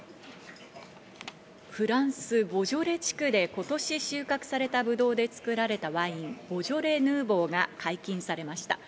フランス・ボジョレ地区で今年収穫されたブドウで作られたワイン、ボジョレ・ヌーボーが解禁されました。